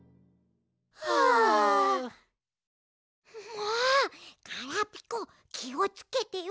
もうガラピコきをつけてよ。